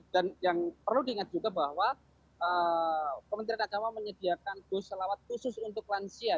dan yang perlu diingat juga bahwa kementerian agama menyediakan busolawat khusus untuk lansia